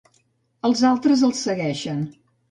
Els altres el segueixen.